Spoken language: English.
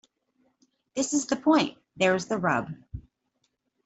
This is the point. There's the rub.